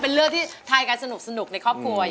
เป็นเลือดที่ทายรายการสนุกในครอบครัว